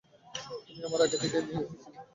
তুমি আমার আগেই তাদেরকে নিয়ে এসেছিলে?